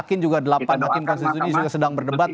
insya allah kita doakan makamah